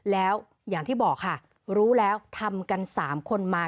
แล้วอย่างที่บอกค่ะรู้แล้วทำกัน๓คนมา